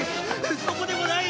そこでもない！